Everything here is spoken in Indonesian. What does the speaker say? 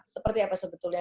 seperti apa sebetulnya